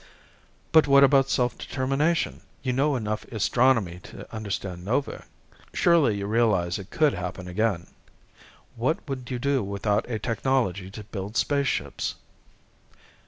"But what about self determination? You know enough astronomy to understand novae. Surely you realize it could happen again. What would you do without a technology to build spaceships?"